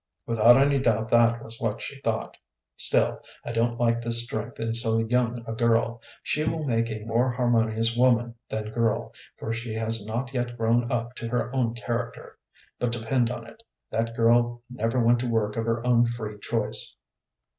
"Without any doubt that was what she thought; still, I don't like this strength in so young a girl. She will make a more harmonious woman than girl, for she has not yet grown up to her own character. But depend upon it, that girl never went to work of her own free choice."